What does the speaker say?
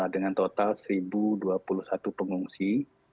dengan total satu dua puluh satu pengungsi